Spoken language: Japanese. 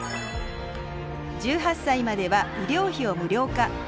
１８歳までは医療費を無料化